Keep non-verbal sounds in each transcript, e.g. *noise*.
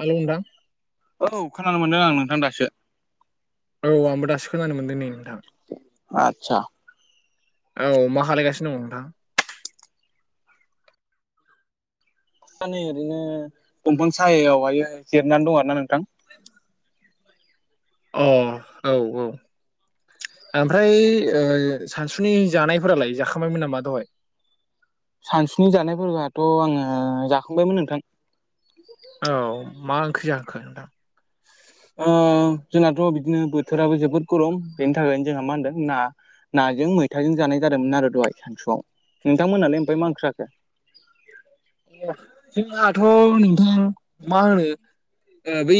Hello नोंथां औ खोनानो मोनदों आं नोंथां दासो औ आंबो दासो खोनानो मोनदों नै नोंथां आतसा औ मा खालायगासिनो दङ नोंथां आं नै ओरैनो दंफां सायहायावहायो जिरायनानै दं आरोना नोंथां अ औ औ ओमफ्राय सानजुनि जानायफोरालाय जाखांबायमोन नामा दहाय सानसुनि जानायफोराथ' आङो जाखांबायमोन नोंथां औ मा ओंख्रि जाखो नोंथां जोंनाथ' बिदिनो बोथोराबो जोबोद गरम बेनि थाखायनो जोंहा मा होनदों ना नाजों मैथाजों जानाय जादोंमोन आरो दहाय सानसुआव नोंथांमोनालाय ओमफ्राय माओंख्रि जाखो जोंहाथ' नोंथां मा होनो ओ बै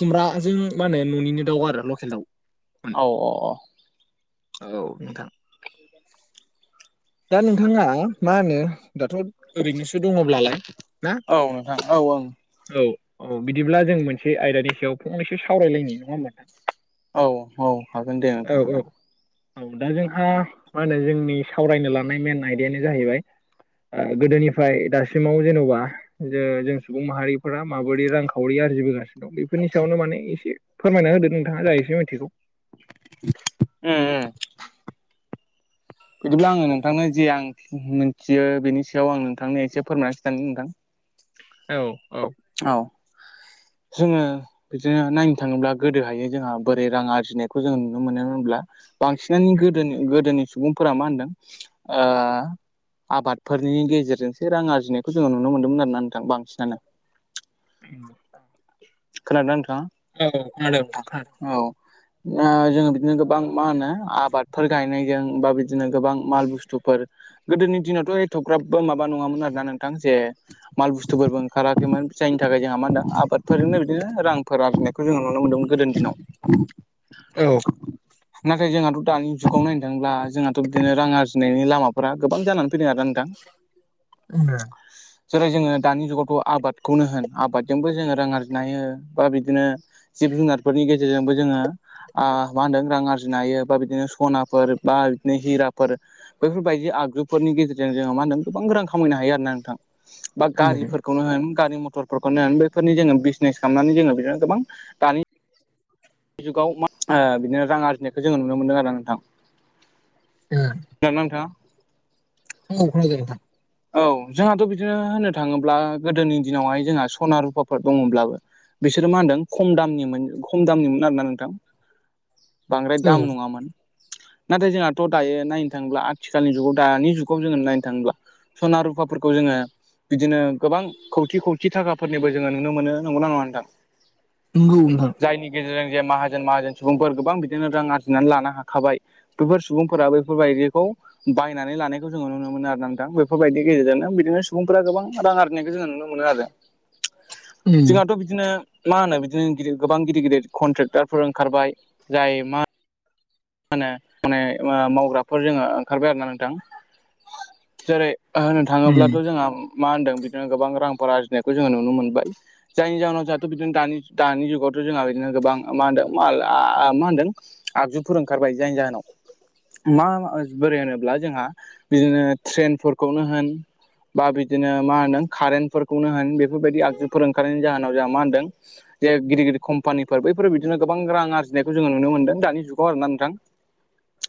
खुमब्राजों मा होनो न'निनो दाउ आरो लकेल दाउ औ अ अ औ नोंथां *unintelligible* दा नोंथाङा मा होनो दाथ' ओरैनोसो दङब्लालाय ना औ औ नोंथां ओं औ औ बिदिब्ला जों मोनसे आयदानि सायाव फंनैसो सावरायलायनि नङा होमबा नोंथां औ औ हागोन दे नोंथां औ औ हागोन औ दा जोंहा मा होनो जोंनि सावरायनो लानाय मेन आयदायानो जाहैबाय ओ गोदोनिफ्राय दासिमाव जेन'बा जो जों सुबुं माहारिफोरा माबोरै रांखावरि आरजिबोगासिनो बेफोरनि सायावनो माने एसे फोरमायना होदो नोंथाङा जा एसे मिनथिगौ उ उ बिदिब्ला आङो नोंथांनो जि आं मिनथियो बेनि सायाव आं नोंथांनो एसे फोरमायना खिथानो नोंथां औ औ औ जोङो बिदिनो नायनो थाङोब्ला गोदोहाय जोंहा बोरै रां आरजिनायखौ जों नुनो मोनो होमब्ला बांसिनानि गोदोनि गोदोनि सुबुंफोरा मा होनदों ओ आबादफोरनि गेजेरजोंसो रां आरजिनायखौ जोङो नुनो मोनदोंमोन आरोना नोंथां बांसिनानो *unintelligible* खोनादोंना नोंथां औ खोनादों नोंथां दा जोङो बिदिनो गोबां मा होनो आबादफोर गायनायजों बा बिदिनो गोबां माल बुस्थुफोर गोदोनि दिनावथ' एथग्राबबो माबा नङामोन आरोना नोंथां जे माल बुस्थुफोरबो ओंखाराखैमोन जायनि थाखाय जोंहा मा होनदों आबादफोरजोंनो बिदिनो रांफोर आरजिनायखौ जोङो नुनो मोनदोंमोन गोदोनि दिनाव औ नाथाय जोंहाथ' दानि जुगाव नायनो थांब्ला जोंहाथ' बिदिनो रां आरजिनायनि लामाफोरा गोबां जानानै फैदों आरोना नोंथां। *unintelligible* जेरै जोङो दानि जुगावथ' आबाद खौनो होन आबादजोंबो जोङो रां आरजिनो हायो बा बिदिनो जिब-जुनारफोरनि गेजेरजोंबो जोङो ओ मा होनदों रां आरजिनो हायो बा बिदिनो सनाफोर बा बिदिनो हिराफोर बैफोरबायदि आगजुफोरनि गेजेरजों जोङो मा होनदों गोबां रां खामायनो हायो आरोना नोंथां। बा उम गारिफोरखौनो होन गारि मथरफोरखौनो होन बैफोरनि जोङो बिजनेस खालामनानै जोङो बिदिनो गोबां दानि *unintelligible* जुगाव मा ओ बिदिनो रां आरजिनायखौ जोङो नुनो मोनदों आरो *unintelligible* नोंथां। उम *unintelligible* नोंथांआ? औ खोनादों नोंथां। औ जोंहाथ' बिदिनो होननो थाङोब्ला गोदोनि दिनावहाय जोंहा सना रुफाफोर दङब्लाबो बिसोरो मा होनदों खम दामनिमोन खम दामनिमोन आरोना नोंथां। *inaudible* बांद्राय दाम उम उम औ नङामोन। नाथाय जोंहाथ' दायो नायनो थाङोब्ला आथिखालनि जुगाव दानि जुगाव जोङो नायनो थाङोब्ला सना रुफाफोरखौ जोङो। बिदिनो गोबां खौथि खौथि थाखाफोरनिबो जोङो नुनो मोनो नंगौना नङा नोंथां। नोंगौ नोंथां। जायनि गेजेरजों जे माहाजोन माहाजोन सुबुंफोर गोबां बिदिनो रां आरजिनानै लानो हाखाबाय। बेफोर सुबुंफोरा बेफोरबायदिखौ बायनानै लानायखौ जोङो नुनो मोनो आरो नोंथां बे। बेफोरबायदिनि गेजेरजोंनो बिदिनो सुबुंफोरा गोबां रां आरजिनायखौ जोङो नुनो मोनो आरो जोंहाथ'। बिदिनो मा होनो बिदिनोद गोबां गिदिर गिदिर कनट्रेक्टार फोर ओंखारबाय जाय मा मा होनो माने मावग्राफोर जोङो ओंखारबाय आरो ना नोंथां जेरै होननो थाङोब्लाथ' जोंहा मा होनदों गोबां रांफोर आरजिनायखौ नुनो मोनबाय। जायनि जाहोनाव जोंहाथ' बिदिनो दानि दानि जुगावथ' जोंहा बिदिनो गोबां मा होनदों मा मा होनदों। आगजुफोर ओंखारबाय जायनि जाहोनाव। मा बोरै होनोब्ला जोंहा बिदिनो ट्रेनफोरखौनो होन। बा बिदिनो मा होनदों कारेन्ट फोरफोरखौनो होन बेफोरबायदि आगजुफोर ओंखारनायनि जाहोनाव जोंहा मा होनदों। जे गिदिर गिदिरम्पानिफोर बैफोर बिदिनो गोबां रां आरजिनायखौ जों नुनो मोनदों दानि जुग। खौ आरोना नोंथां‌।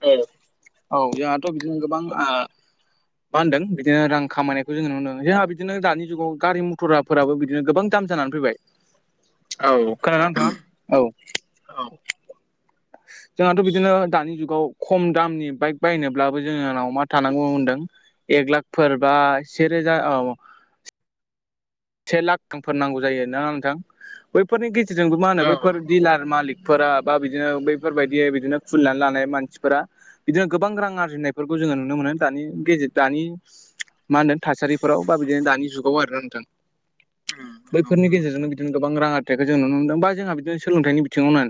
औ। औ जोंहाथ' बिदिनो गोबां ओ मा होनदों बिदिनो रां खामायनायखौ जोङो नुनोदों जोंहा बिदिनो दानि जुगाव गारि मथरा। फोराबो बिदिनो गोबां दाम जानानै फैबाय। औ खोनादोंना नोंथाङा औ औ। जोंहाथ' बिदिनो दानि जुगाव खम दामनि बाइक बायनोब्लाबो जोंनिनाव मा थानांगौ होनदों। एक लाखफोर बा सेेरोजा औ। से लाख रांफोर नांगौ जायो नङा नोंथां बैफोरनि गेजेरजोंबो मा होनो बैफोर डिलार मालिक। फोरा बा बिदिनो बैफोरबायदि बिदिनो खुलिनानै लानाय मानसिफोरा। बिदिनो गोबां रां आरजिनायफोरखौ जोङो नुनो मोनो दानि गेजेर दानि। मा होन्दों थासारिफोराव बा बिदिनो दानि जुगाव आरोना नोंथां। उम नंगौ नंगौ बैफोरनि गेजेरजोंनो बिदिनो गोबां रां आथिाइखौ जों नुनो मोनदों बा जोंहा बिदिनो सोलोंथाइनि बिथिङावनो।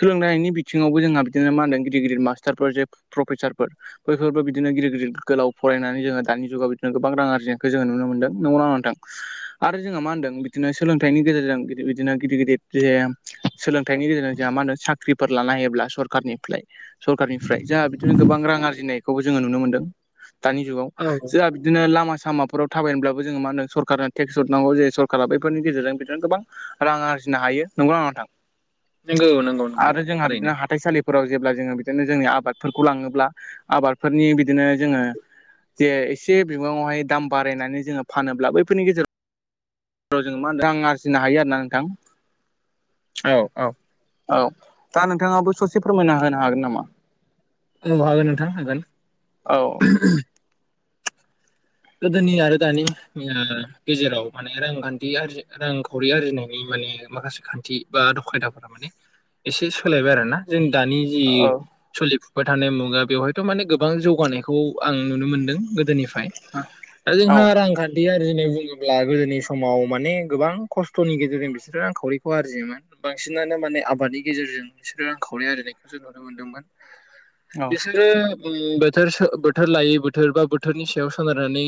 सोलोंनायनि बिथिङावबो जोंहा बिदिनो मा होनदों गिदिर गिदिर मास्टारफोर जे प्रफेसारफोर। बैफोरबो बिदिनो गिदिर गिदिर गोलाव फरायनानै जोङो दानि जुगाव बिदिनो गोबां आरजिनायखौ जोङो नुनो मोनदों नंगौना नङा नोंथां। *inaudible* आरो जोंहा मा होनदों बिदिनो सोलोंथाइनि गेजेरजों बिदिनो गिदिर गिदिर जे सोलोंथाइनि गेजेरजों जोंहा मा होनो साख्रिफोर लानो हायोब्ला सरखारनिफ्राय सरखारनिफ्राय जोंहा बिदिनो गोबां रां आरजिनायखौबो जोङो नुनो मोनदों दानि जुगाव औ जोंहा बिदिनो लामा सामाफोराव थाबायनोब्लाबो जोङो मा होनो सरखारा टेक्स हरनांगौ जायो सरकारा बेैफोरनि गेजेरजों बिदिनो गोबां रां आरजिनो हायो नंगौना नङा नोंथां नंगौ नंगौ नंगौ आरो जोंहा थारैनो बिदिनो हाथाइसालिब फोराव जेब्ला जोङो बिदिनो जोंनि आबादफोरखौ लाङोब्ला आबादफोरनि बिदिनो जोङो जे एसे बिबाङावहाय दाम बारायनानै जोङो फानोब्ला बैफोरनि गेजेराव जों मा होनो रां आरजिनो हायो आरोना नोंथां औ औ औ दा नोंथाङाबो ससे फोरमायना होनो हागोन नामा? औ हागोन नोंथां हागोन औ गोदोनि आरो दानि गेजेराव ओ माने रांखान्थि आरजि रांखावरि आरजिनायनि माने माखासे खान्थि बा आदब खायदाफोरा माने एसे सोलायबाय आरो ना जोंनि दानि जि औ सोलिफुबाय थानाय मुगा बेवहायथ' माने गोबां जौगानायखौ आं नुनो मोनदों गोदोनिफाय। औ दा जोंहा रांखान्थि आरजिनाय बुङोब्ला गोदोनि समाव माने गोबां खस्थ'नि गेजेरजों बिसोरो रां खावरिखौ आरजियोमोन बांसिनानो माने आबादनि गेजेरजों बिसोरो रां खावरि आरजिनायखौ जों नुनो मोनदोंमोन बिसोरो बोथोर बोथोर लायै बोथोर बा बोथोरनि सायाव सोनारनानै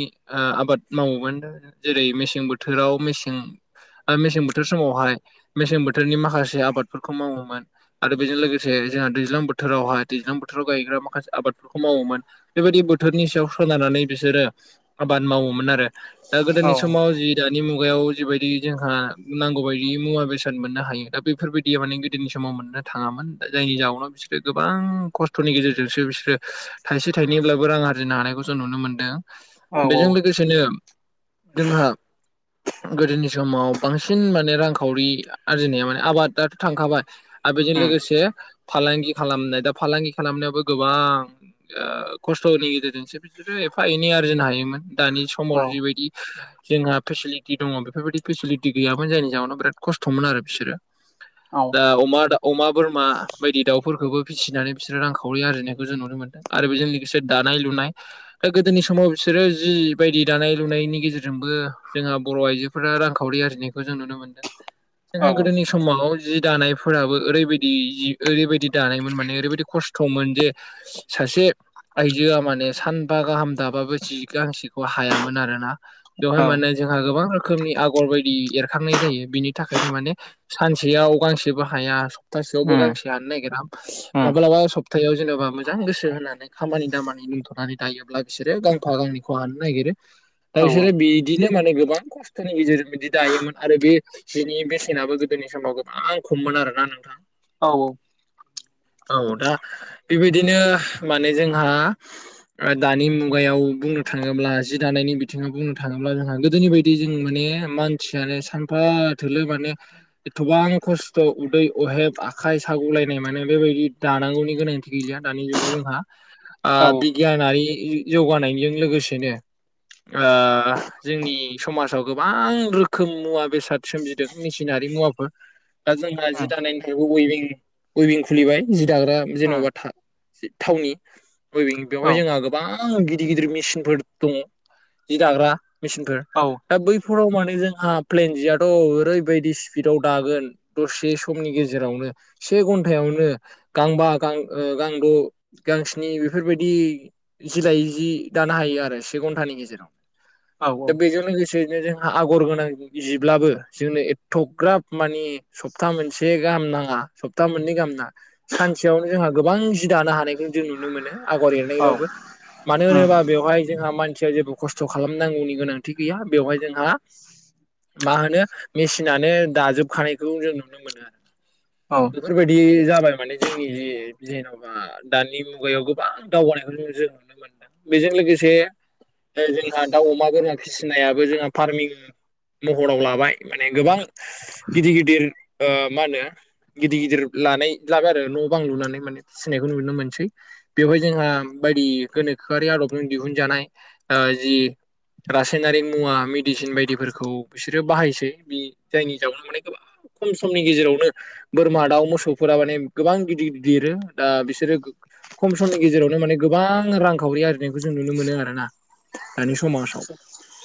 आबाद मावोमोन दा जेरै मेसें बोथोराव मेसें मेसें बोथोर समावहाय मेसें बोथोरनि माखासे आबादफोरखौ मावोमोन आरो बेजों लोगोसे जोंहा दैज्लां बोथोरावहाय दैज्लां बोथोराव गायग्रा माखासे आबादफोरखौ मावोमोन बेबायदि बोथोरनि सायाव सोनारनानै बिसोरो आबाद मावोमोन आरो दा औ गोदोनि समाव जि दानि मुगायाव जिबायदि जोंहा नांगौ बायदि मुवा बेसाद मोननो हायो दा बेफोरबायदि माने गोदोनि समाव मोननो थाङामोन दा जायनि जाउनाव बिसोरो गोबां खस्थ'नि गेजेरजोंसो बिसोरो थाइसे थाइनैब्लाबो रां आरजिनो हानायखौ जों नुनो मोनदों औ औ बेजों लोगो सेनो जोंहा गोदोनि समाव बांसिन माने रांखावरि आरजिनाया माने आबादआथ' थांखाबाय आरो बेजों उम लोगोसे फालांगि खालामनाय दा फालांगि खालामनायावबो गोबां आ खस्थ'नि गेजेरजोंसो बिसोरो एफा एनै आर्जिनो हायोमोन दानि समाव औ जिबायदि जोंहा फेसिलिटि दङ बेफोरबायदि फेसिलिटि गैयामोन जायनि जाहोनाव बिराद खस्थ'मोन आरो बिसोरो औ अमा अमा बोरमा बायदि दाउफोरखौबो फिसिनानै बिसोरो रांखावरि आरजिनायखौ जों नुनो मोनो आरो बेजों लोगोसे दानाय लुनाय दा गोदोनि समाव बिसोरो जि बायदि दानाय लुनायनि गेजेरजोंबो जोंहा बर' आइजो फोरा रांखावरि आरजिनायखौ जों नुनो मोनदों जोंहा गोदोनि समाव जि दानायफोराबो ओरैबायदि जि ओरैबायदि दानायमोन माने ओरैबायदि खस्थ'मोन जे सासे आइजोआ माने सान बा गाहाम दाबाबो जि गांसेखौ हायामोन आरोना बेवहाय औ उम माने जोंहा गोबां रोखोमनि आगर बायदि एरखांनाय जायो बिनि थाखायनो माने सानसेयाव गांसेबो हाया सप्तासेयावबो उम गांसे हानो नागिरा माब्लाबा सप्तायाव जेनेबा मोजां गोसो होनानै खामानि दामानि दोनथ'नानै दायोब्ला बिसोरो गांफा गांनैखौ हानो नागिरो दा औ बिसोरो बिदिनो माने गोबां खस्थ'नि गेजेरजों बिदि दायोमोन आरो बे जिनि बेसेनाबो गोदोनि समाव गोबां खममोन आरो ना नोंथां औऔ औ दा बेबायदिनो माने जोंहा दानि मुगायाव बुंनो थाङोब्ला जि दानायनि बिथिङाव बुंनो थाङोब्ला जोंहा गोदोनि बायदि बिदि जों माने मानसियानो सानफा थोलो माने एथबां खस्थ' उदै अहेब आखाय साग'लायनाय माने बेबायदि दानांगौनि गोनांथि गैलिया दानि जुगाव जोंहा आ उम बिगियानारि जौगानायजों लोगोसेनो ओ जोंनि समाजाव गोबां रोखोम मुवा बेसाद सोमजिदों मेसिनारि मुवाफोर दा जोंहा जि उम औ दानायनिफ्रायबो उइबिं उइबिं खु खुलिबाय जि दाग्रा औ जेन'बा थाव थावनि उइबिं बेवहाय औ जोंहा गोबां गिदिर गिदिर मेसिनफोर दङ जि दाग्रा मेसिनफोर औ दा बैफोराव माने जोंहा प्लेन जियाथ' ओरैबायदि स्पिडआव दागोन दसे समनि गेजेरावनो से घन्ट घन्ट यावनो गांबा गां ओ गांद' गांस्नि बेफोरबायदि जि लायो जि दानो हायो आरो से घन्टानि गेजेराव। दा बेजों लोगोसे *unintelligible* जोंहा आगर गोनां जिब्लाबो जोंनो एथ'ग्राब मानि सप्ता मोनसे गाहाम नाङा सप्ता मोननै गाहाम नाङा सानसेयावनो जोंहा गोबां जि दानो हानायखौनो जों नुनो मोनो आगर एरनायबाबो मानो होनोबा बेवहाय जोंहा मानसिया जेबो खस्थ' खालामनांगौनि गोनांथि गैया बेवहाय जोंहा मा होनो मेसिनानो दाजोबखानायखौ जों नुनो मोनो आरो औ बेफोरबायदि जाबाय माने जोंनि जे जेनब बा दानि मुगायाव गोबां दावगानायखौनो जों नुनो मोनो। बेजों लोगोसे ओ जोंहा दाउ, अमा गोरा फिसिनायाबो जोंहा फारमिं महनाव लाबाय माने गोबां गिदिर गिदिर ओ मा नो गिदिर गिदिर लानै *unintelligible* आरो न' बां लुनानै माने फिसिनायखौ नुनो मोनसै बेवहाय जोंहा बायदि गोनोखोआरि आदबजों दिहुनजानाय ओ जि रासायनारि मुवा मेडिसिन बायदिफोरखौ बिसोरो बाहायसै बि जायनि जाउनाव माने गोबां खम समनि गेजेरावनो बोरमा दाउ मोस *inaudible* फोरा माने गोबां गिदिद गिदिद देरो दा बिसोरो *inaudible* खम समनि गेजेरावनो माने गोबां रांखावरि आरजिनायखौ जों नुनो मोनो आरो ना। दानि समासाव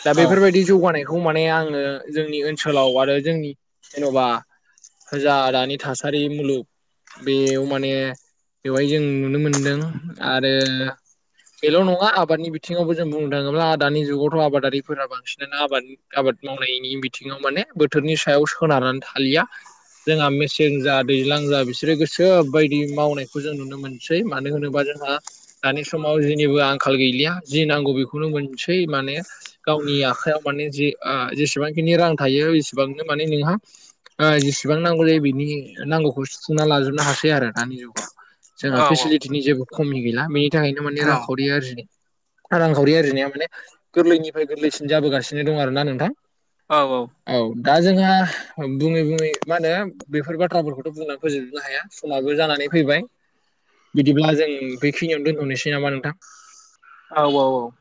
दा बेफोरबायदि जौगानायखौ माने आङो जोंनि ओनसोलाव आरो जोंनि जेन'बा होरजा दानि थासारि मुलुग बेव माने बेवहाय जों नुनो मोनदों आरो बेल' नङा आबादनि बिथिङावबो जों बुंदों आदानि जुगावथ' आबादारिफोरा बांसिनानो आबादनि आबाद मावनायनि बिथिङाव माने बोथोरनि सायाव सोनारनानै थालिया जोंहा मेसें जाद दैज्लां जा बिसोरो गोसो बायदि मावनायखौ जों नुनो मोनसै मानो होनोबा जोंहा दानि समाव जेनिबो आंखाल गैलिया जि नांगौ बेखौनो मोनसै माने गावनि आखाइयाव माने जि ओ जेसेबांखिनि रां थायो एसेबांनो माने नोंहा ओ जेसेबां नांगौ जायो बिनि नांगौखौ सुफुंना लाजोबनो हासै आरो दानि जुगाव जोंहा फेसिलिटिनि जेबो खमि गैला बेनि थाखायनो माने रांखावरि आरजिनो रांखावरि आरजिनाया माने गोरलैनिफ्राय गोरलैसिन जाबोगासिनो दं आरोना नोंथां औ औ। औ दा जोंहा बुङै बुङै मा होनो बेफोर बाथ थ्राफोरखौथ *unintelligible* ' बुंनानै फोजोबजोबनो हाया समाबो जानानै फैबाय बिदिब्ला जों बेखिनियावनो दोनथनोसै नामा नोंथां? औ औ औ।